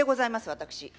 私。